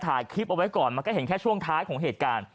ถ่ายคลิปเอาไว้ก่อนมันก็เห็นแค่ช่วงท้ายของเหตุการณ์